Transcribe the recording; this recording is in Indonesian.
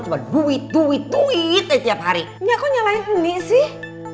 cuma duit duit duit ya tiap hari ya kok nyalain ini sih